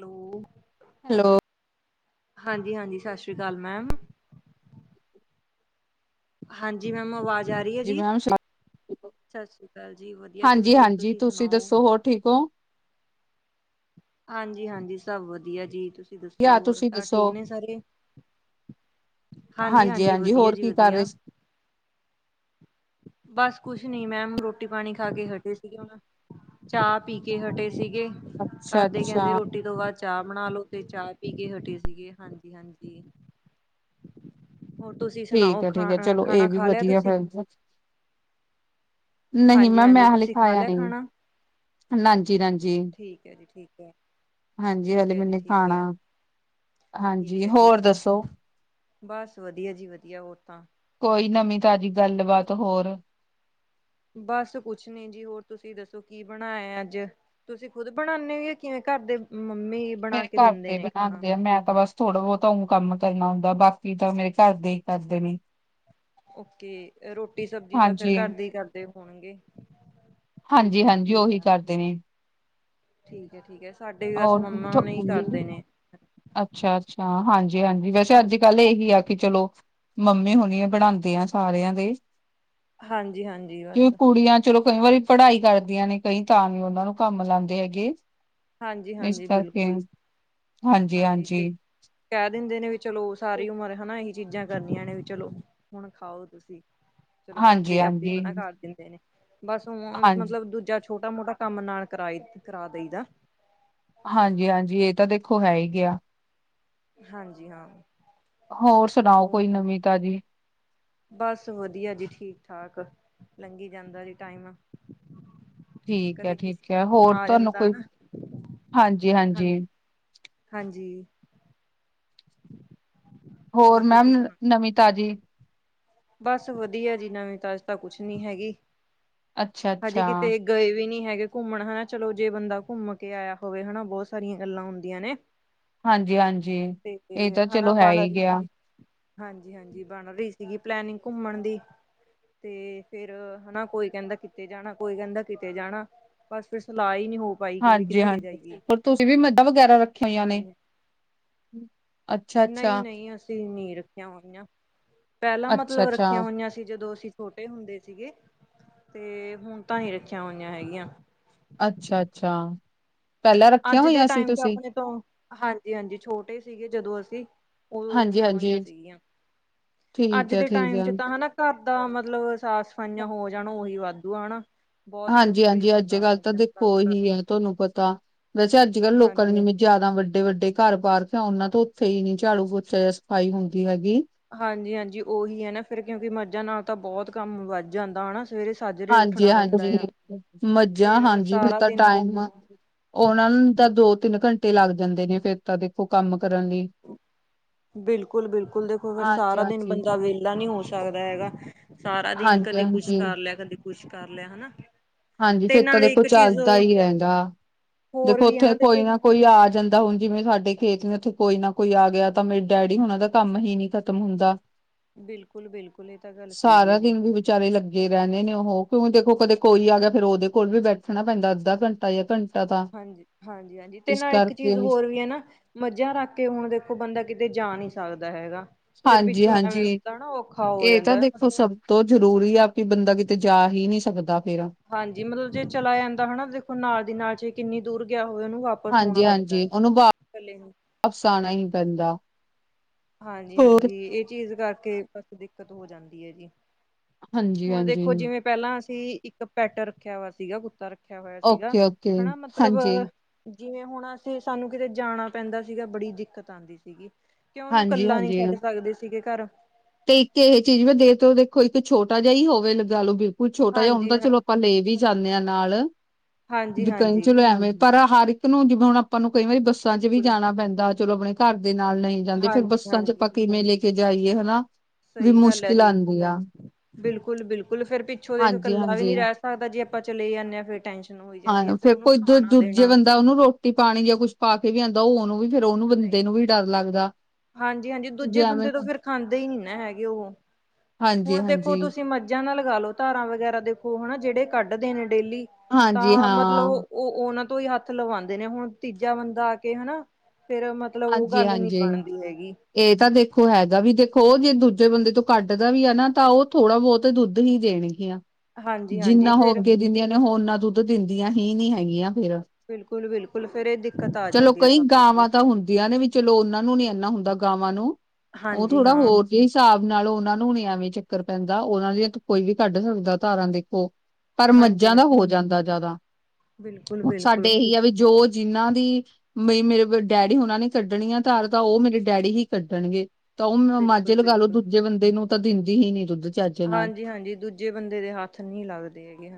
Hello. Hello. ਹਾਂਜੀ ਹਾਂਜੀ ਸਤਿ ਸ਼੍ਰੀ ਅਕਾਲ ਮੈਮ। ਹਾਂਜੀ ਮੈਮ ਆਵਾਜ਼ ਜ ਆਰੀ ਹੈ ਜੀ ਮੈਮ ਸਤਿ ਸ੍ਰੀ ਅਕਾਲ ਵਧੀਆ ਜੀ ਹਾਂਜੀ ਵਧੀਆ ਹਾਂਜੀ ਤੁਸੀਂ ਸੁਣਾਓ। ਦੱਸੋ ਹੋਰ ਠੀਕ ਹੋ ਹਾਂਜੀ ਹਾਂਜੀ, ਸਭ ਵਧੀਆ ਜੀ ਤੁਂ ਤੁਸੀਂ ਦੱਸੋ ਯਾ ਹੋਰ ਤੁਸੀਂ ਘਰ ਦੱਸੋ ਠੀਕ ਨੇ ਸਾਰੇ। ਹਾਂਜੀ ਹਾਂਜੀ-ਹਾਂਜੀ ਹਾਂਜੀ, ਵਧੀਆ ਹੋਰ ਜੀ ਕੀ ਕਰ ਰਹੇ ਵਧੀਆ, ਸੀ? ਬਸ ਕੁਛ ਨੀ ਮੈਮ ਰੋਟੀ ਪਾਣੀ ਖਾ ਕੇ ਹਟੇ ਸੀਗੇ ਹੁਣ, ਚਾਹ ਪੀ ਕੇ ਹਟੇ ਸੀਗੇ। ਅੱਛਾ ਘਰਦੇ ਕਹਿੰਦੇ ਅੱਛਾ ਰੋਟੀ ਤੋਂ ਬਾਅਦ ਚਾਹ ਬਣਾ ਲੋ, ਤੇ ਚਾਹ ਪੀ ਕੇ ਹਟੇ ਸੀਗੇ। ਹਾਂਜੀ ਹਾਂਜੀ। ਠੀਕ ਹੈ ਠੀਕ ਹੈ, ਚਲੋ ਇਹ ਵੀ ਖਾ ਲਿਆ ਵਧੀਆ ਤੁਸੀਂ? ਫੇਰ ਨਹੀਂ ਮੈਮ ਮੈਂ ਹਾਂਜੀ-ਹਾਂਜੀ ਹਾਲੇ ਤੁਸੀਂ ਖਾ ਖਾਇਆ ਲਿਆ ਨਹੀਂ ਖਾਣਾ? ਨਾਂਜੀ ਨਾਜੀ ਠੀਕ ਹੈ ਜੀ ਠੀਕ ਹੈ। ਹਾਂਜੀ ਠੀਕ ਹਾਲੇ ਹੈ ਜੀ ਮੈਨੇ ਠੀਕ ਹੈ, ਖਾਣਾ, ਠੀਕ ਹਾਂਜੀ ਹੈ, ਠੀਕ ਹੋਰ ਹੈ। ਦੱਸੋ। ਬਸ ਵਧੀਆ ਜੀ ਵਧੀਆ ਹੋਰ ਤਾਂ ਕੋਈ ਨਵੀਂ ਤਾਜ਼ੀ ਗੱਲ ਬਾਤ ਹੋਰ। ਬਸ ਕੁਛ ਨੀ ਜੀ ਹੋਰ ਤੁਸੀਂ ਦੱਸੋ ਕੀ ਬਣਾਇਆ ਅੱਜ? ਤੁਸੀਂ ਖੁਦ ਬਣਾਣੇ ਓ‌। ਯਾ ਕਿਵੇਂ ਘਰ ਦੇ ਮੰਮੀ ਬਣਾ ਮੇਰੇ ਕੇ ਦਿੰਦੇ ਘਰਦੇ ਨੇ ਖਾਣਾ? ਬਣਾਂਦੇ ਆ ਮੈਂ ਤਾਂ ਬਸ ਥੋੜਾ ਬਹੁਤ ਊ ਕੰਮ ਕਰਨਾ ਹੁੰਦਾ। ਬਾਕੀ ਤਾਂ ਮੇਰੇ ਘਰ ਦੇ ਹੀ ਕਰਦੇ ਨੇ। ਓਕੇ। ਰੋਟੀ ਸਬਜ਼ੀ ਤਾਂ ਫੇਰ ਹਾਂਜੀ ਘਰਦੇ ਈ ਕਰਦੇ ਹੋਣਗੇ। ਠੀਕ ਹਾਂਜੀ ਹੈ ਜੀ ਹਾਂਜੀ ਠੀਕ ਉਹੀ ਹੈ, ਕਰਦੇ ਨੇ। ਠੀਕ ਹੈ ਠੀਕ ਹੈ। ਸਾਡੇ ਵੀ ਬਸ ਮੰਮਾ ਨਹੀਂ ਕਰਦੇ ਨੇ। ਅੱਛਾ ਅੱਛਾ, ਹਾਂਜੀ ਹਾਂਜੀ, ਵੈਸੇ ਅੱਜ ਕੱਲ ਇਹੀ ਆ ਕਿ ਚਲੋ ਮੰਮੀ ਹੁਣੀ ਆ ਬਣਾਂਦੇ ਆ ਸਾਰਿਆਂ ਦੇ ਹਾਂਜੀ ਹਾਂਜੀ ਜਿਵੇਂ ਬਸ। ਕੁੜੀਆਂ ਚਲੋ ਕਈ ਵਾਰੀ ਪੜ੍ਹਾਈ ਕਰਦੀਆਂ ਨੇ ਕਈ ਤਾਂ ਨੀ ਉਹਨਾਂ ਨੂੰ ਕੰਮ ਲਾਂਦੇ ਹੈਗੇ। ਹਾਂਜੀ ਇਸ ਹਾਂਜੀ ਕਰਕੇ ਬਿਲਕੁਲ। ਹਾਂਜੀ ਹਾਂਜੀ-ਹਾਂਜੀ, ਤੇ ਕਹਿ ਦਿੰਦੇ ਨੇ ਵੀ ਚਲੋ ਉਹ ਸਾਰੀ ਉਮਰ ਹਨਾ ਇਹੀ ਚੀਜ਼ਾਂ ਕਰਨੀਆਂ ਨੇ ਵੀ ਚਲੋ ਹੁਣ ਖਾਓ ਤੁਸੀਂ। ਚਲੋ ਘਰਦੇ ਆਪੇ ਹਾਂਜੀ-ਹਾਂਜੀ, ਮਨਾ ਕਰ ਦਿੰਦੇ ਨੇ। ਬਸ ਹੁਣ ਹਾਂਜੀ। ਮਤਲਬ ਦੂਜਾ ਛੋਟਾ ਮੋਟਾ ਕੰਮ ਨਾਲ ਕਰਾਈ ਕਰਾ ਦਈ ਦਾ। ਹਾਂਜੀ ਹਾਂਜੀ ਇਹ ਤਾਂ ਦੇਖ ਖੋ ਹੈ ਹੀ ਗਿਆ ਹਾਂਜੀ ਹਾਂ ਹੋਰ ਸੁਣਾਓ ਕੋਈ ਹੋਰ ਨਵੀਂ ਤਾਜ਼ੀ ਬਸ ਵਧੀਆ ਜੀ ਠੀਕ ਠਾਕ ਲੰਘੀ ਜਾਂਦਾ ਜੀ ਟਾਈਮ ਠੀਕ ਹੈ ਕਦੇ ਕਿਸੇ ਠੀਕ ਦਾ ਹੈ ਫੋਨ ਹੋਰ ਆ ਤੁਹਾਨੂੰ ਜਾਂਦਾ ਕੋਈ ਨਾ ਹਾਂਜੀ ਹਾਂਜੀ ਹਾਂਜੀ ਹੋਰ ਮੈਮ ਤੁਸੀਂ ਸੁਣਾਓ? ਨਵੀਂ ਤਾਜ਼ੀ ਬਸ ਵਧੀਆ ਜੀ ਨਵੀਂ ਤਾਜੀ ਤਾਂ ਕੁਛ ਨੀ ਹੈਗੀ ਹਜੇ ਅੱਛਾ-ਅੱਛਾ, ਕਿਤੇ ਗਏ ਵੀ ਨਹੀਂ ਹੈਗੇ ਘੁੰਮਣ ਹਨਾ ਚਲੋ ਜੇ ਬੰਦਾ ਘੁੰਮ ਕੇ ਆਇਆ ਹੋਵੇ ਹਨਾ ਬਹੁਤ ਸਾਰੀਆਂ ਗੱਲਾਂ ਹੁੰਦੀਆਂ ਨੇ ਹਾਂਜੀ ਹਾਂਜੀ ਤੇ ਇਹ ਤਾਂ ਹਨਾ ਚਲੋ ਹੈ ਬਣ ਹੀ ਰਹੀ ਗਿਆ ਸੀ ਹਾਂਜੀ ਹਾਂਜੀ ਬਣ ਰਹੀ ਸੀਗੀ ਪਲੈਨਿੰਗ ਘੁੰਮਣ ਦੀ ਤੇ ਫੇਰ ਹਨਾ ਕੋਈ ਕਹਿੰਦਾ ਕਿਤੇ ਜਾਣਾ ਕੋਈ ਕਹਿੰਦਾ ਕਿਤੇ ਜਾਣਾ ਬਸ ਫਿਰ ਸਲਾਹ ਹੀ ਨਹੀਂ ਹੋ ਪਾਈ ਕਿ ਵੀ ਹਾਂਜੀ ਕਿੱਥੇ ਹਾਂਜੀ ਜਾਈਏ ਹੋਰ ਤੁਸੀਂ ਵੀ ਮੱਝਾਂ ਵਗੈਰਾ ਰੱਖੀਆਂ ਹੋਈਆਂ ਨੇ ਹਾਂਜੀ ਅੱਛਾ ਨਹੀਂ ਅੱਛਾ ਨਹੀਂ ਅਸੀਂ ਨੀ ਰੱਖੀਆਂ ਹੋਈਆਂ ਪਹਿਲਾਂ ਅੱਛਾ ਮਤਲਬ ਅੱਛਾ ਰੱਖੀਆਂ ਹੋਈਆਂ ਸੀ ਜਦੋਂ ਅਸੀਂ ਛੋਟੇ ਹੁੰਦੇ ਸੀਗੇ ਤੇ ਹੁਣ ਤਾਂ ਨੀ ਰੱਖੀਆਂ ਹੋਈਆਂ ਹੈਗੀਆਂ ਅੱਛਾ ਅੱਛਾ ਪਹਿਲਾਂ ਰੱਖੀਆਂ ਅੱਜ ਦੇ ਹੋਈਆਂ ਸੀ ਟਾਈਮ ਚ ਤੁਸੀਂ ਆਪਣੇ ਤੋਂ ਹਾਂਜੀ ਹਾਂਜੀ ਛੋਟੇ ਸੀਗੇ ਜਦੋਂ ਅਸੀਂ ਉਦੋਂ ਹਾਂਜੀ ਰੱਖੀਆਂ ਹਾਂਜੀ ਹੋਈਆਂ ਸੀਗੀਆਂ ਠੀਕ ਅੱਜ ਹੈ ਦੇ ਠੀਕ ਟਾਈਮ ਹੈ ਚ ਤਾਂ ਹਨਾ ਘਰ ਦਾ ਮਤਲਬ ਸਾਫ ਸਫਾਈਆਂ ਹੋ ਜਾਣ ਉਹੀ ਵੱਧ ਦੂ ਆ ਨਾ ਹਾਂਜੀ ਹਾਂਜੀ ਅੱਜ ਕੱਲ੍ਹ ਤਾਂ ਦੇਖੋ ਓਹੀ ਕਰਨਾ ਆ ਤੁਹਾਨੂੰ ਪਤਾ ਵੈਸੇ ਅੱਜ ਕੱਲ ਲੋਕਾਂ ਨੂੰ ਹਾਂਜੀ ਨਿਵੇਂ ਜਿਆਦਾ ਵੱਡੇ ਵੱਡੇ ਘਰ ਪਾ ਰਖੇ ਉਹਨਾਂ ਤੋਂ ਉੱਥੇ ਹੀ ਨੀ ਝਾੜੂ ਪੋਚਾ ਜਾ ਸਫਾਈ ਹੁੰਦੀ ਹੈਗੀ ਹਾਂਜੀ ਹਾਂਜੀ ਉਹੀ ਹੈ ਨਾ ਫਿਰ ਕਿਉਂਕਿ ਮੱਝਾਂ ਨਾਲ ਤਾਂ ਬਹੁਤ ਕੰਮ ਵੱਧ ਜਾਂਦਾ ਹਨਾ ਸਵੇਰੇ ਸਾਜਰੇ ਹਾਂਜੀ ਉੱਠਣਾ ਪੈਂਦਾ ਹਾਂਜੀ ਆ ਮੱਝਾਂ ਫਿਰ ਹਾਂਜੀ ਫੇਰ ਸਾਰਾ ਤਾਂ ਦਿਨ ਟਾਈਮ ਦੇਖੋ ਉਹਨਾਂ ਨੂੰ ਤਾਂ ਦੋ ਤਿੰਨ ਘੰਟੇ ਲੱਗ ਜਾਂਦੇ ਨੇ ਫੇਰ ਤਾਂ ਦੇਖੋ ਕੰਮ- ਕਰਨ ਲਈ ਬਿਲਕੁਲ-ਬਿਲਕੁਲ ਦੇਖੋ ਫਿਰ ਹਾਂਜੀ ਸਾਰਾ ਦਿਨ ਹਾਂਜੀ ਬੰਦਾ ਵਿਹਲਾ ਨਹੀਂ ਹੋ ਸਕਦਾ ਹੈਗਾ ਸਾਰਾ ਦਿਨ ਕਦੇ ਕੁਛ ਹਾਂਜੀ-ਹਾਂਜੀ, ਕਰ ਲਿਆ ਕਦੇ- ਕੁਛ ਕਰ ਲਿਆ ਹਨਾ। ਹਾਂਜੀ ਤੇ ਫਿਰ ਤਾਂ ਨਾਲੇ ਦੇਖੋ ਇੱਕ ਚੀਜ਼ ਚੱਲਦਾ ਹੀ ਰਹਿੰਗਾ ਹੋਰ ਦੇਖੋ ਵੀ ਹੈ ਉੱਥੇ ਕੋਈ ਦੇਖੋ ਨਾ ਕੋਈ ਆ ਜਾਂਦਾ। ਹੁਣ ਜਿਵੇਂ ਸਾਡੇ ਖੇਤ ਨੂੰ ਉੱਥੇ ਕੋਈ ਨਾ ਕੋਈ ਆ ਗਿਆ ਤਾਂ ਮੇਰੇ ਡੈਡੀ ਹੋਣ ਦਾ ਕੰਮ ਹੀ ਨਹੀਂ ਖਤਮ ਹੁੰਦਾ। ਬਿਲਕੁਲ ਬਿਲਕੁਲ ਇਹ ਤਾਂ ਗੱਲ ਸਹੀ ਹੈ ਸਾਰਾ ਜੀ ਦਿਨ ਵੀ ਵਿਚਾਰੇ ਲੱਗੇ ਰਹਿੰਦੇ ਨੇ ਉਹ- ਤੂੰ ਦੇਖੋ ਕਦੇ ਕੋਈ ਆ- ਫੇਰ ਉਹਦੇ ਕੋਲ ਵੀ ਬੈਠਣਾ ਪੈਂਦਾ ਅੱਧਾ ਘੰਟਾ ਜਾਂ ਘੰਟਾ- ਤਾਂ ਹਾਂਜੀ-ਹਾਂਜੀ-ਹਾਂਜੀ ਤੇ ਇਸ ਨਾਲ ਇੱਕ ਕਰਕੇ ਚੀਜ਼ ਹੋਰ ਵੀ ਹੈ ਨਾ ਮੱਝਾਂ ਰੱਖ ਕੇ ਹੁਣ ਦੇਖੋ ਬੰਦਾ ਕਿਤੇ ਜਾ ਨਹੀਂ ਸਕਦਾ! ਦਾ ਹੈਗਾ। ਫਿਰ ਪਿੱਛੋਂ ਐਵੇਂ ਹਾਂਜੀ-ਹਾਂਜੀ ਹੁੰਦਾ ਨਾ ਔਖਾ ਹੋ ਇਹ ਤਾਂ ਜਾਂਦਾ ਦੇਖੋ ਮਤਲਬ ਸਭ ਤੋਂ ਜ਼ਰੂਰੀ ਆ ਵੀ ਬੰਦਾ- ਤੇ ਜਾ ਹੀ ਨਹੀ ਸਕਦਾ। ਫੇਰ। ਹਾਂਜੀ ਮਤਲਬ ਜੇ ਚਲਾ ਜਾਂਦਾ ਹਨਾ ਦੇਖੋ ਨਾਲ ਦੀ ਨਾਲ ਚ- ਕਿੰਨੀ ਦੂਰ ਗਿਆ। ਹੋਵੇ ਉਹਨੂੰ ਵਾਪਸ ਹੋਣਾ ਪੈਂਦਾ ਹੈ। ਹਾਂਜੀ-ਹਾਂਜੀ ਉਹਨੂੰ ਇਕੱਲੇ ਨੂੰ ਵਾਪਸ ਆਣਾ ਹੀ ਪੈਂਦਾ ਹੋਰ ਹਾਂਜੀ-ਹਾਂਜੀ ਇਹ ਚੀਜ਼ ਕਰ ਕੇ ਬਸ ਦਿੱਕਤ ਹੋ ਜਾਂਦੀ ਹੈ ਜੀ। ਹਾਂਜੀ-ਹਾਂਜੀ! ਸੀ ਇੱਕ ਪੈਟ ਰੱਖਿਆ ਹੋਇਆ ਸੀਗਾ ਕੁੱਤਾ ਰੱਖਿਆ- ਰਖਿਆ ਹੋਇਆ ਸੀਗਾ ਓਕੇ-ਓਕੇ ਹਨਾ ਮਤਲਬ ਹਾਂਜੀ। ਜਿਵੇਂ ਹੁਣ ਅਸੀਂ ਸਾਨੂੰ ਕਿਤੇ ਜਾਣਾ ਪੈਂਦਾ ਸੀਗਾ ਬੜੀ ਦਿੱਕਤ ਆਦੀ ਸੀਗੀ ਕਿ ਉਹਨੂੰ ਕੱਲਾ ਨਹੀਂ ਹਾਂਜੀ-ਹਾਂਜੀ ਛੱਡ ਸਕਦੇ। ਕੀ ਕਰ- ਤੇ ਇੱਕ ਇਹ ਚੀਜ਼ ਮ ਦੇਰ ਤੋਂ ਦੇਖੋ ਇੱਕ ਛੋਟਾ ਜਿਹਾ ਹੀ ਹੋਵੇੱ ਗੱਲ ਉਹ ਬਿਲਕੁਲ ਛੋਟਾ ਜਿਹਾ ਹੁਣ ਹਾਂਜੀ ਤਾਂ ਚਲੋ ਆਪਾਂ ਲੈ ਵੀ ਹਾਂਜੀ ਜਾਂਦੇ ਹਾਂ ਨਾਲ ਹਾਂਜੀ ਵੀ ਕ ਹਾਂਜੀ ਚਲੋ ਐਵੇਂ ਪਰ- ਹਰ ਇੱਕ ਨੂੰ ਜਿਵੇਂ ਹੁਣ- ਆਪਾਂ ਨੂੰ ਕਈ ਵਾਰੀ ਬੱਸਾਂ ਚ ਵੀ ਬਿਲਕੁਲ ਜਾਣਾ ਪੈਂਦਾ ਚਲੋ ਆਪਣੇ- ਘਰ ਦੇ ਨਾਲ ਨਹੀਂ ਜਾਂਦੇ ਫੇਰ ਹਾਂਜੀ ਬੱਸਾਂ ਚ ਆਪ ਹਾਂਜੀ ਕਿਵੇਂ ਲੇ- ਜਾਈਏ ਹਨਾ। ਵੀ ਸਹੀ ਗੱਲ ਹੈ ਮੁਸ਼ਕਿਲ ਜੀ ਆਉਂਦੀ ਆ ਬਿਲਕੁਲ-ਬਿਲਕੁਲ ਫੇਿਰ ਪਿੱਛੋਂ ਦੇਖ ਕੱਲਾ ਵੀ ਹਾਂਜੀ-ਹਾਂਜੀ ਨਹੀਂ ਰਹਿ ਸਕਦਾ ਜੀ ਆਪਾਂ ਚਲੇ ਆ ਜਾਂਦੇ ਆ ਫਿਰ ਟੈਨਸ਼ਨ ਹੋਈ ਜਾਂਦੀ ਹੈ ਹਾਂ ਫੇਰ ਉਹਨੂੰ ਕੋਈ ਦ ਖਾਣਾ ਦੂਜੇ ਦੇਣਾ ਬੰਦਾ ਉਹਨੂੰ ਰੋਟੀ ਪਾਣੀ ਜਾਂ ਕੁਛ ਪਾ ਕੇ ਵੀ ਆਂਦਾ- ਤਾਂ ਉਹਨੂੰ ਵੀ- ਫੇਰ ਉਹਨੂੰ ਨਹੀਂ ਬੰਦੇ ਨੂੰ ਵੀ ਡਰ ਲੱਗਦਾ ਹਾਂਜੀ-ਹਾਂਜੀ ਵੀ ਦੂਜੇ ਐਵੇਂ ਬੰਦੇ ਤੋਂ ਫੇਰ ਖਾਂਦੇ ਹੀ ਨਹੀਂ ਨਾ ਹੈਗੇ ਉਹ, ਹੁਣ ਦੇਖੋ ਹਾਂਜੀ-ਹਾਂਜੀ, ਤੁਸੀਂ ਮੱਝਾਂ ਨਾਲ, ਲਗਾ ਲੋ ਧਾਰਾਂ ਵਗੈਰਾ ਦੇਖੋ ਹਨਾ ਜਿਹੜੇ ਕੱਢਦੇ ਨੇ, ਡੇਲੀ ਹਾਂਜੀ ਹਾਂਜੀ ਤਾਂ ਮਤਲਬ ਹਾਂ, ਉਹ ਉਹਨਾਂ, ਤੋਂ ਹੀ ਹੱਥ ਲਵਾਦੇ ਨੇ ਹੁਣ ਤੀਜਾ ਬੰਦਾ ਆ ਕੇ ਹਨਾ। ਫੇਰ ਮਤਲਬ ਉਹ ਗੱਲ ਨੀ ਹਾਂਜੀ-ਹਾਂਜੀ ਬਣਦੀ ਹੈਗੀ ਇਹ ਤਾਂ ਦੇਖੋ ਹੈਗਾ ਵੀ ਦੇਖੋ ਉਹ ਜਿੱਦ ਦੂਜੇ ਬੰਦੇ ਤੋਂ ਕੱਢ ਦਾ ਵੀ ਆ ਨਾ ਤਾਂ ਉਹ ਥੋੜਾ ਬਹੁਤ ਦੁੱਧ ਹੀ ਦੇਣ ਗਈਆਂ। ਹਾਂਜੀ-ਹਾਂਜੀ ਜਿੰਨਾ ਹੋ ਫੇਰ ਅੱਗੇ ਦਿੰਦੀਆਂ ਨੇ ਨਾ ਦੁੱਧ ਦਿੰਦੀ। ਦੀਆਂ ਹੀ ਨੀ ਹੈਗੀਆਂ। ਫੇਰ। ਬਿਲਕੁਲ-ਬਿਲਕੁਲ ਫੇਰ ਇਹ ਦਿੱਕਤ ਆ ਚਲੋ ਜਾਂਦੀ ਆ ਕਈ ਸਭ ਬੜੀ, ਗਾਵਾਂ ਤਾਂ ਹੁੰਦੀਆਂ ਨੇ ਵੀ ਚਲੋ ਉਹਨਾਂ ਨੂੰ ਨੀ ਇੰਨਾ ਹੁੰਦਾ ਗਾਵਾਂ ਨੂੰ ਉਹ ਹਾਂਜੀ ਥੋੜਾ ਹਾਂ ਹੋਰ ਜੇ ਹਿਸਾਬ ਨਾਲ ਉਹਨਾ ਨੂੰ, ਵੀ ਚੱਕਰ ਪੈਂਦਾ ਉਹਨਾ ਦੀਆਂ ਕੋਈ ਵੀ ਕੱਢ ਸਕਦਾ ਤਾਰਾਂ ਦੇਖੋ। ਪਰ ਹਾਂਜੀ ਮੱਝਾਂ ਹਾਂ ਦਾ ਹੋ ਜਾਂਦਾ ਜਿਆਦਾ। ਹੁਣ ਬਿਲਕੁਲ-ਬਿਲਕੁਲ, ਸਾਡੇ ਇਹੀ ਆ ਵੀ ਜੋ, ਜਿੰਨਾਂ ਦੀ ਮਈ ਮੇਰੇ ਡੈਡੀ, ਡੀ ਉਹਨਾ ਨੇ ਕੱਢਣੀ ਆ ਤਾਂ ਧਾਰ ਤਾਂ ਉਹ ਮੇਰੇ ਡੈਡੀ ਹੀ ਕੱਢਣਗੇ। ਤਾਂ ਉਹ ਮਾਝੇ ਲਗਾਲੋ ਬਿਲਕੁਲ-ਬਿਲਕੁਲ ਦੂਜੇ ਬੰਦੇ ਨੂੰ ਤਾਂ ਦਿੰਦੀ ਹੀ ਨੀ ਦੁੱਧ, ਚੱਜ ਨਾਲ। ਹਾਂਜੀ-ਹਾਂਜੀ ਦੂਜੇ ਬੰਦੇ ਦੇ ਹੱਥ ਨਹੀਂ ਲੱਗਦੇ ਹੈਗੇ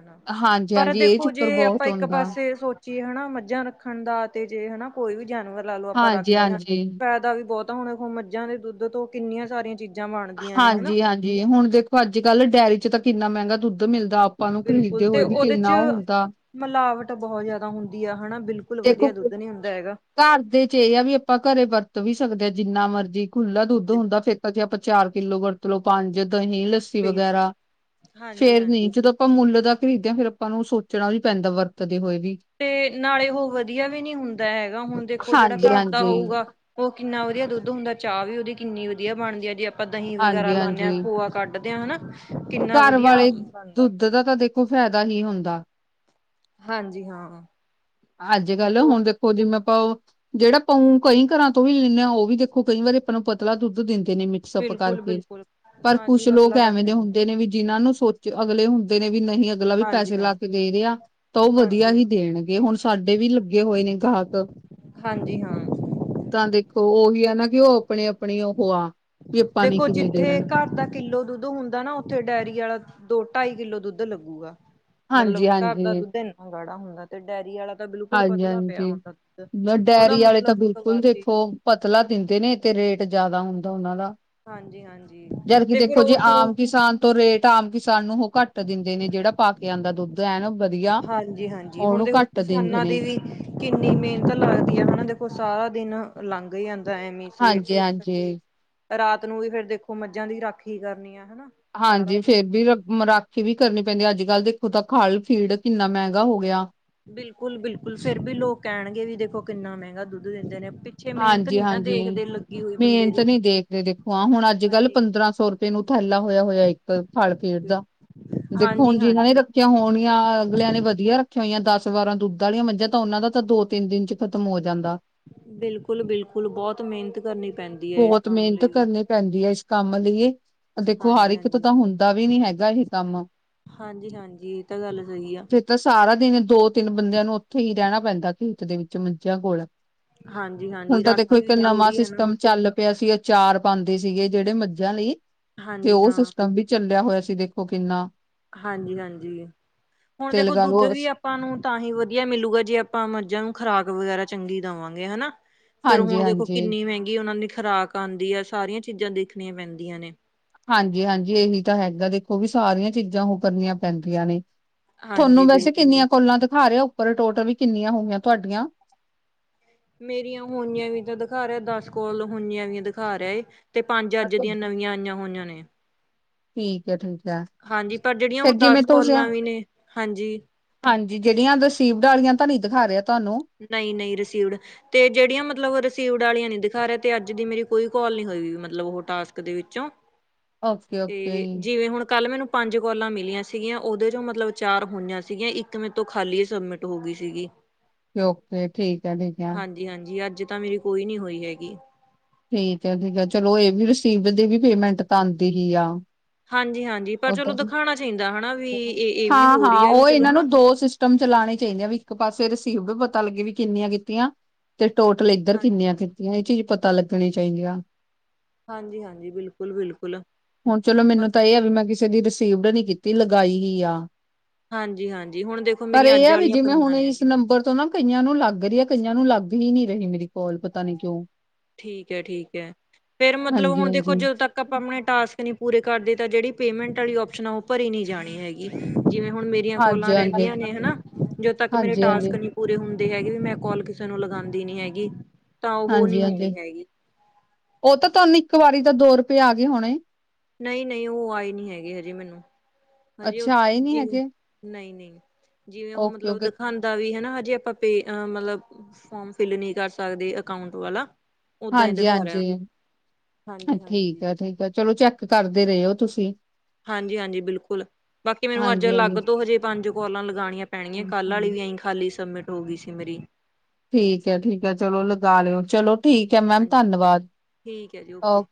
ਪਰ ਹਾਂਜੀ-ਹਾਂਜੀ ਇਹ ਦੇਖੋ ਚੱਕਰ ਜੇ ਆਪਾਂ ਬਹੁਤ ਇੱਕ ਹੁੰਦਾ ਪਾਸੇ ਸੋਚ ਜੇ ਹਨਾ ਮੱਝਾਂ ਰੱਖਣ ਦਾ ਤੇ ਜੇ ਹਨਾ ਕੋਈ ਵੀ, ਜਾਨਵਰ ਲਾ ਲਓ ਆਪਾਂ ਰੱਖਦੇ ਹਾਂ ਹਾਂਜੀ-ਹਾਂਜੀ। ਫੇਦਾ ਵੀ ਬਹੁਤ, ਹੁਣ ਮੱਝਾਂ ਦੇ ਦੁੱਧ ਤੋਂ ਕਿੰਨੀਆਂ ਸਾਰੀਆਂ ਚੀਜ਼ਾਂ, ਬਣਦੀਆਂ ਨੇ ਹਨਾ। ਹਾਂਜੀ-ਹਾਂਜੀ ਹੁਣ ਦੇਖੋ। ਅੱਜ ਕੱਲ੍ਹ ਡੇਰੀ ਚ ਤਾਂ ਕਿੰਨਾ ਮਹਿੰਗਾ ਦੁੱਧ, ਦੁੱਧ ਮਿਲਦਾ ਆਪਾਂ ਨੂੰ ਖਰੀਦਦੇ ਬਿਲਕੁਲ ਤੇ ਹੋਏ ਵੀ ਉਹਦੇ ਚ ਕਿੰਨਾ ਉਹ ਹੁੰਦਾ। ਮਿਲਾਵਟ ਬਹੁਤ ਜਿਆਦਾ ਹੁੰਦੀ ਆ ਹਨਾ। ਬਿਲਕੁਲ ਤੇ ਵਧੀਆ ਦੁੱਧ ਨੀ ਹੁੰਦਾ ਹੈਗਾ। ਘਰ ਦੇ ਚ ਇਹ ਆ ਵੀ ਆਪਾਂ ਘਰੇ ਵਰਤ ਵੀ, ਸਕਦੇ ਜਿੰਨਾ ਮਰਜ਼ੀ, ਖੁੱਲਾ ਦੁੱਧ ਹੁੰਦਾ ਫੇਤਾ ਚ ਆਪਾਂ ਚਾਰ, ਕਿੱਲੋ ਵਰਤ ਲੋ ਪੰਜ, ਦ ਹੀ ਲੱਸੀ ਬਿਲਕੁਲ ਵਗੈਰਾ ਫੇਰ ਨੀ ਹਾਂਜੀ-ਹਾਂਜੀ ਜਦੋਂ ਆਪਾਂ ਮੁੱਲ ਦਾ, ਖਰੀਦਿਆ ਫੇਰ ਆਪਾਂ ਨੂੰ ਸੋਚਣਾ ਵੀ ਪੈਂਦਾ ਵਰਤ ਹੋਏ ਵੀ, ਤੇ ਨਾਲੇ ਉਹ ਵਧੀਆ ਵੀ ਨਹੀਂੀ ਹੁੰਦਾ ਹੈਗਾ ਹੁਣ ਦੇਖੋ ਜਿਹੜਾ ਘਰ ਦਾ ਹਾਂਜੀ-ਹਾਂਜੀ। ਹੋਊਗਾ ਉਹ ਕਿੰਨਾ ਵਧੀਆ ਦੁੱਧ ਹੁੰਦਾ ਚਾਹ ਵੀ ਉਹਦੀ ਕਿੰਨੀ ਵਧੀਆ ਬਣਦੀ ਹੈ ਜੇ ਆਪ ਆਪਾਂ ਦਹੀਂ ਵਗੈਰਾ ਲਾਂਦੇ ਹਾਂਜੀ-ਹਾਂਜੀ ਹਾਂ ਭੋਆ ਕੱਢ ਪਦੇ ਹ ਹਨਾ ਕਿੰਨਾ ਘਰ ਵਧੀਆ ਵਾਲੇ ਬਣਦਾ ਦੁੱਧ ਦਾ ਤਾਂ ਦੇਖੋ ਫਾਇਦਾ ਹੀ ਹੁੰਦਾ ਦਾ ਹਾਂਜੀ- ਹਾਂ। ਅੱਜ-ਕੱਲ ਹੁਣ ਦੇਖੋ ਜਿਵੇ ਪਊ ਜਿਹੜਾ ਪਊ ਕਈ ਘਰਾਂ ਤੋਂ ਵੀ ਲਾਂਦੇ ਹਾਂ ਉਹ ਵੀ ਦੇਖੋ ਕਈ ਵਾਰੀ ਆਪਾਂ ਨੂੰ ਪਤਲਾ ਦੁੱਧ ਦਿੰਦੇ। ਨੇ ਮਿਕਸ ਅਪ ਬਿਲਕੁਲ ਕਰਕੇ, ਬਿਲਕੁਲ ਪਰ ਹਾਂਜੀ ਕੁੱਛ ਲੋਕ ਪਤਲਾ ਕਰ ਐਵੇਂ ਦੇ ਦਿੰਦੇ ਹੁੰਦੇ ਨੇ ਵੀ ਜਿਹਨਾਂ ਨੂੰ ਸੋਚ ਅਗਲੇ ਹੁੰਦੇ ਨੇ ਵੀ ਨਹੀਂ ਅਗਲਾ ਵੀ ਹਾਂਜੀ ਪੈਸੇ ਲਾ ਹਾਂ ਕੇ ਦੇ ਰਿਹਾ, ਤਾਂ ਉਹ ਵਧੀਆ ਹਾਂਜੀ ਹੀ ਹਾਂ ਦੇਣਗੇ ਹੁਣ। ਸਾਡੇ ਵੀ ਲੱਗੇ ਹੋਏ ਨੇ ਗਾਹਕ ਹਾਂਜੀ ਹਾਂ ਤਾਂ ਦੇਖੋ ਉਹੀ ਹੈਨਾ। ਵੀ ਉਹ ਆਪਣੀ-ਆਪਣੀ ਉਹ ਆਂ ਦੇਖੋ ਜਿੱਥੇ ਘਰ ਦਾ ਕਿੱਲੋ ਦੁੱਧ ਹੁੰਦਾ ਨਾ ਉੱਥੇ ਡੇਅਰੀ ਵਾਲਾ ਦੋ-ਢਾਈ ਕਿੱਲੋ ਦੁੱਧ ਲੱਗੂਗਾ ਮਤਲਬ ਹਾਂਜੀ ਘਰ ਦਾ ਹਾਂਜੀ ਦੁੱਧ ਇੰਨਾ ਗਾੜਾ ਹੁੰਦਾ ਤੇ ਡੈਅਰੀ ਵਾਲਾ ਤਾਂ ਬਿਲਕੁਲ ਪਤਲਾ ਪਿਆ ਹਾਂਜੀ-ਹਾਂਜੀ, ਹੁੰਦਾ ਦੁੱਧ। ਉਹਦਾ ਡਾਇਅਰੀ ਵਾਲੇ ਮਤਲਬ ਤਾਂ ਇੱਕ ਬਿਲਕੁਲ ਵਾਰ ਚ ਦੇਖੋ ਪਤਲਾ ਦਿੰਦੇ ਨੇ ਤੇ ਰੇਟ ਜਿਆਦਾ ਹੁੰਦਾ। ਅੱਦਾ ਉਹਨਾਂ ਦਾ। ਹਾਂਜੀ-ਹਾਂਜੀ ਜਦਕਿ ਤੇ ਫਿਰ ਦੇਖੋ ਜੀ ਉਸ ਆਮ ਕਿਸਾਨ ਤੋਂ ਰੇਟ ਆਮ ਕਿਸਾਨ ਨੂੰ ਉਹ ਘੱਟ ਦਿੰਦੇ ਨੇ ਜਿਹੜਾ ਪਾ ਕੇ ਆਉਂਦਾ ਦੁੱਧ ਐ ਨਾ। ਵਧੀਆ, ਉਹਨੂੰ ਘੱਟ, ਦਿੰਦੇ ਉਨ੍ਹਾਂ ਦੀ ਨੇ ਵੀ ਕਿੰਨੀ ਮਿਹਨਤ ਲੱਗਦੀ ਹੈਨਾ ਦੇਖੋ ਸਾਰਾ ਦਿਨ ਲੰਘ ਗਇਆ। ਟਾਈਮ ਨਹੀਂ, ਸਵੇਰ ਤੋਂ ਹਾਂਜੀ ਉੱਠ ਕੇ ਹਾਂਜੀ ਰਾਤ ਨੂੰ ਵੀ ਫੇਰ ਦੇਖੋ ਮੱਝਾਂ ਦੀ ਰਾਖੀ ਕਰਨੀ ਆ। ਹਨਾ ਸਾਰਾ ਹਾਂਜੀ ਦਿਨ ਫੇਰ ਵੀ ਰਾਖੀ ਵੀ ਕਰਨੀ ਪੈਂਦੀ ਅੱਜ-ਕੱਲ੍ਹ ਦੇ ਦੇਖੋ ਤਾਂ ਖਲ ਫੀਡ ਕਿੰਨਾ ਮਹਿੰਗਾ ਹੋ ਗਿਆ। ਬਿਲਕੁਲ-ਬਿਲਕੁਲ ਫੇਰ ਵੀ ਲੋਕ ਕਹਿਣਗੇ ਵੀ ਦੇਖੋ ਕਿੰਨਾ ਮਹਿੰਗਾ ਦੁੱਧ ਦਿੰਦੇ ਨੇ। ਪਿੱਛੇ ਮਿਹਨਤ ਨੀ ਨਾ ਹਾਂਜੀ-ਹਾਂਜੀ, ਦੇਖਦੇ ਲੱਗੀ ਹੋਈ ਬੰਦੇ ਮਿਹਨਤ ਦੀ ਨੀ ਦੇਖ ਰਹੇ ਦੇਖੋ ਹਾਂ, ਹੁਣ ਅੱਜ-ਕੱਲ ਹਾਂਜੀ ਪੰਦਰਾਂ ਸੌ ਰੁਪਏ ਨੂੰ ਥੈਲਾ ਹੋਇਆ-ਹੋਇਆ ਇੱਕ ਫਲ-ਫਰੂਟ ਦਾ, ਬਿਲ ਦੇਖੋ ਹੁਣ ਜਿਨਾਂ ਨੇ ਹਾਂਜੀ-ਹਾਂਜੀ ਰੱਖਿਆ ਹੋਣੀਆਂ ਅਗਲਿਆਂ ਨੇ ਵਧੀਆ ਰੱਖੀਆਂ ਹੋਈਆਂ ਦਸ। ਵਾਰਾਂ ਦੁੱਧ ਵਾਲੀਆਂ ਮੰਝਾਂ ਤਾਂ ਉਹਨਾਂ ਦਾ ਤਾਂ ਦੋ-ਤਿੰਨ ਦਿਨ ਚ ਖਤਮ ਹੋ ਜਾਂਦਾ। ਬਿਲਕੁਲ-ਬਿਲਕੁਲ, ਬਹੁਤ ਮਿਹਨਤ ਕਰਨੀ ਪੈਂਦੀ ਹੈ ਇਸ ਬਹੁਤ ਕੰਮ ਮਿਹਨਤ ਲਈ ਵੀ। ਕਰਨੀ ਪੈਂਦੀ ਹੈ ਇਸ ਕੰਮ ਲਈਏ। ਦੇਖੋ ਹਰ ਇੱਕ ਤੋਂ ਹਾਂਜੀ-ਹਾਂਜੀ ਤਾਂ ਹੁੰਦਾ ਵੀ ਨੀ ਹੈਗਾ ਇਹ ਕੰਮ ਹਾਂਜੀ-ਹਾਂਜੀ ਇਹ ਤਾਂ ਗੱਲ ਸਹੀ ਆ ਫਿਰ ਤਾਂ ਸਾਰਾ ਦਿਨ ਦੋ-ਤਿੰਨ ਬੰਦਿਆਂ ਨੂੰ ਉੱਥੇ ਹੀ ਰਹਿਣਾ ਪੈਂਦਾ ਖੇਤ ਦੇ ਵਿੱਚ ਮੱਝਆ ਕੋਲ। ਹੁਣ ਹਾਂਜੀ-ਹਾਂਜੀ ਤਾਂ ਦੇਖੋ, ਰਾਖੀ ਵੀ ਕਿੰਨਾ ਵਾ ਜ਼ਰੂਰੀ ਹੈ ਨਾ ਸਿਸਟਮ ਚੱਲ ਪਿਆ ਸੀ। ਚਾਰ ਬੰਦੇ ਸੀਗੇ ਜਿਹੜੇ ਮੱਜਾਂ ਲਈ। ਤੇ, ਹਾਂਜੀ ਉਹ ਹਾਂ ਸਿਸਟਮ ਵੀ, ਚੱਲਿਆ ਹੋਇਆ। ਤੁਸੀਂ ਦੇਖੋ ਕਿੰਨਾ ਹਾਂਜੀ ਹਾਂਜੀ ਹੁਣ ਤੇ ਦੇਖੋ ਲਗਾ ਦੁੱਧ ਲਓ ਵੀ ਆਪਾਂ ਨੂੰ ਤਾਂ ਹੀ ਵਧੀਆ ਮਿਲੂਗਾ ਜੇ ਆਪਾਂ ਮਰਝਾਂ ਨੂੰ ਖ਼ਰਾਕ ਵਗੈਰਾ ਚੰਗੀ ਦੇਵਾਂਗੇ ਹਨਾ ਫੇਰ ਹੁਣ ਦੇਖੋ ਹਾਂਜੀ-ਹਾਂਜੀ, ਕਿੰਨੀ ਮਹਿੰਗੀ ਉਹਨਾਂ ਨੇ ਖੁਰਾਕ ਆਉਂਦੀ ਹੈ ਸਾਰੀਆਂ ਚੀਜ਼ਾਂ ਦੇਖਣੀਆਂ ਪੈਂਦੀਆਂ ਨੇ ਹਾਂਜੀ ਹਾਂਜੀ ਇਹੀ ਤਾਂ ਹੈਗਾ ਦੇਖੋ ਵੀ ਸਾਰੀਆਂ ਚੀਜ਼ਾਂ ਉਹ ਕਰਨੀਆਂ ਪੈਂਦੀਆਂ ਨੇ ਤੁਹਾਨੂੰ ਹਾਂਜੀ ਵੈਸੇ ਬਿਲਕੁਲ ਕਿੰਨੀਆਂ ਬਿਲਕੁਲ ਕੁੱਲਾਂ ਦਿਖਾ ਰਹੇ ਹੋ ਪਰ ਟੋਟਲ ਵੀ ਕਿੰਨੀਆਂ ਹੋ ਗਈਆਂ ਤੁਹਾਡੀਆਂ ਮੇਰੀਆਂ ਹੋਨੀਆਂ ਵੀ ਤਾਂ ਦਿਖਾ ਰਿਹਾ ਦਸ ਕੋਲ ਹੋਨੀਆਂ ਵੀ ਦਿਖਾ ਰਿਹਾ ਤੇ ਪੰਜ ਅੱਜ ਦੀਆਂ ਨਵੀਆਂ ਆਈਆਂ ਹੋਈਆਂ ਨੇ ਠੀਕ ਏ ਠੀਕ ਹਾਂਜੀ ਪਰ ਜਿਹੜੀਆਂ ਉਹ ਫਿਰ ਜਿਵੇਂ ਦਸ ਤੁਿਆ ਕੋਲਾਂ ਵੀ ਨੇ ਹਾਂਜੀ ਹਾਂਜੀ ਜਿਹੜੀਆਂ ਰਸੀਵਡ ਵਾਲੀਆਂ ਤਾਂ ਨਹੀਂ ਖ ਰਿ ਨਹੀਂ ਨਹੀਂ ਰਿਸੀਵਡ ਤੇ ਜਿਹੜੀਆਂ ਮਤਲਬ ਰਸੀਵ ਵਾਲੀਆਂ ਨੀ ਦਿਖਾ ਰਿਹਾ ਤੇ ਅੱਜ ਦੀ ਮੇਰੀ ਕੋਈ ਕੋਲ ਨੀ ਹੋਈ ਮਤਲਬ ਉਹ ਟਾਸਕ ਦੇ ਵਿੱਚੋਂ ਓਕੇ-ਓਕੇ ਤੇ ਜਿਵੇਂ ਹੁਣ ਕੱਲ ਮੈਨੂੰ ਪੰਜ ਕੋਲਾਂ ਮਿਲੀਆਂ ਸੀਗੀਆਂ ਉਹਦੇ ਚੋਂ ਮਤਲਬ ਚਾਰ ਹੋਈਆਂ ਸੀਗੀਆਂ ਇੱਕ ਮੇ ਤੋਂ ਖਾਲੀ ਸਬਮਿਟ ਹੋ ਗਈ ਸੀਗੀ ਕੇ ਠੀਕ ਹੈ ਠੀਕ ਹੈ ਹਾਂਜੀ-ਹਾਂਜੀ ਅੱਜ ਤਾਂ ਮੇਰੀ ਕੋਈ ਨਹੀਂੀ ਹੋਈ ਹੈਗੀ ਠੀਕ ਹੈ ਠੀਕ ਹੈ ਚਲੋ ਇਹ ਵੀ ਰਸੀਵ ਦੀ ਵੀ ਪੇਮੈਂਟ ਤਾਂ ਆਉਂਦੀ ਹੀ ਆ ਹਾਂਜੀ ਹਾਂਜੀ ਪਰ ਚਲੋ ਦਿਖਾਉਣਾ ਚਾਹੀਦਾ ਹੈਾ ਹਾਂ ਹਾਂ ਉਹ ਇਹਨਾਂ ਨੂੰ ਦੋ ਸਿਸਟਮ ਚਲਾਣੇ ਚਾਹੀਦੇ ਆ ਵੀ ਇੱਕ ਪਾਸੇ ਰਸੀਵ ਪਤਾ ਲੱਗੇ ਵੀ ਕਿੰਨੀਆਂ ਕੀਤੀਆਂ ਤੇ ਟੋਟਲ ਇੱਧਰ ਹਾਂ ਕਿੰਨੀਆਂ ਕੀਤੀਆਂ ਇਹ ਚੀਜ਼ ਪਤਾ ਲੱਗ ਣੀ ਚਾਹੀਦੀ ਆ ਹਾਂਜੀ-ਹਾਂਜੀ ਬਿਲਕੁਲ-ਬਿਲਕੁਲ ਹੁਣ ਚਲੋ ਮੈਨੂੰ ਪਤਾ ਤਾਂ ਇਹ ਆ ਵੀ ਮੈਂ ਕਿਸੇ ਦੀ ਰਿਸੀਵਡ ਨਹੀਂੀ ਕੀਤੀ ਲਗਾਈ ਹੀ ਆ ਹਾਂਜੀ-ਹਾਂਜੀ ਹੁਣ ਦੇਖੋ ਪਰ ਮੇਰੀਆਂ ਇਹ ਅੱਜ ਆ ਵੀ ਵਾਲੀਆਂ ਜਿਵੇਂ ਹੁਣ ਪਈਆਂ ਨੇ ਇਸ ਜੀ। ਨੰਬਰ ਤੋਂ ਨਾ ਕਈਆਂ ਨੂੰ ਲੱਗ ਰਹੀ ਹੈ ਕਈਆਂ ਨੂੰ ਲੱਗ ਨਹੀਂ ਰਹੀ ਮੇਰੀ ਕੋਲ ਪਤਾ ਨਹੀਂ ਕਿਉਂ ਠੀਕ ਹੈ ਠੀਕ ਹੈ ਫੇਰ ਮਤਲਬ ਹੁਣ ਦੇਖੋ ਹਾਂਜੀ-ਹਾਂਜੀ, ਜਦੋਂ ਤੱਕ ਆਪਾਂ ਆਪਣੇ ਟਾਸਕ ਨੀ ਪੂਰੇ ਕਰਦੇ ਤਾਂ ਜਿਹੜੀ ਪੇਮੈਂਟ ਵਾਲੀ ਓਪਸ਼ਨ ਆ ਉਹ ਭਰੀ ਨਹੀਂ ਜਾਣੀ ਹੈਗੀ ਜਿਵੇਂ ਹੁਣ ਮੇਰੀਆਂ ਕੋਲਾਂ ਹਾਂਜੀ-ਹਾਂਜੀ, ਰਹਿੰਦੀਆਂ ਨੇ ਹਨਾ ਜਦੋਂ ਤੱਕ ਮੇਰੇ ਟਾਸਕ ਹਾਂਜੀ-ਹਾਂਜੀ, ਨਹੀਂ ਪੂਰੇ ਹੁੰਦੇ ਹੈਗੀ ਵੀ ਮੈਂ ਕੋਲ ਕਿਸੇ ਨੂੰ ਲਗਾਂਦੀ ਨੀ ਹੈਗੀ ਤਾਂ ਉਹ ਨਹੀਂ ਹੋ ਹਾਂਜੀ-ਹਾਂਜੀ। ਉਹ ਤਾਂ ਤੁਹਾਨੂੰ ਇੱਕ ਵਾਰੀ ਤਾਂ ਦੋ ਰੁਪਏ ਆ ਗਏ ਹੋਣੇ। ਨਹੀਂ ਨਹੀਂ ਉਹ ਆਏ ਨਹੀਂ ਹੈਗੇ ਹਜੇ ਮੈਨੂੰ ਹਜੇ ਅੱਛਾ ਆਏ ਨੀ ਜੇਵੇ ਹੈਗੇ ਨਹੀਂ ਨਹੀਂ [unintelligible] ਜਿਵੇਂ ਉਹ ਮਤਲਬ ਓਕੇ-ਓਕੇ ਦਿਖਾਉਂਦਾ ਵੀ ਹਨਾ ਜੇ ਆਪਾਂ ਪੇ ਮਤਲਬ ਫੋਰਮ ਫਿਲ ਨਹੀਂ ਕਰ ਸਕਦੇ ਅਕਾਊਂਟ ਵਾਲਾ ਓਦਾਂ ਹੀ ਹਾਂਜੀ ਦਿਖਾ ਰਿਹਾ ਹਾਂਜੀ ਹਾਂਜੀ ਠੀਕ ਹਾਂਜੀ ਆ ਠੀਕ ਆ ਚਲੋ ਚੈੱਕ ਕਰਦੇ ਰਹੇ ਹੋ ਤੁਸੀਂ। ਹਾਂਜੀ ਹਾਂਜੀ ਬਿਲਕੁਲ ਬਾਕੀ ਮੈਨੂੰ ਅੱਜ ਹਾਂਜੀ ਅਲੱਗ ਹਾਂਜੀ ਤੋਂ ਹਜੇ ਪੰਜ ਕੌਲਾ ਲਗਾਣੀਆਂ ਪੈਣਗੀਆਂ ਕੱਲ ਆਲੀ ਵੀ ਐਈ ਖਾਲੀ ਸਬਮਿਟ ਹੋ ਗਈ ਸੀ ਮੇਰੀ। ਠੀਕ ਹੈ ਠੀਕ ਹੈ ਚਲੋ ਲਗਾ ਲਿਓ ਚਲੋ ਠੀਕ ਹੈ ਮੈਮ ਹਾਂਜੀ ਧੰਨਵਾਦ ਠੀਕ ਹੈ ਜੀ ਓਕੇ